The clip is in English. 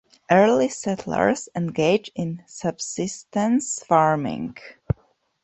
Early settlers engaged in subsistence farming.